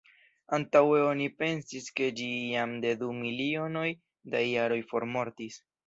Antaŭe oni pensis ke ĝi jam de du milionoj da jaroj formortis.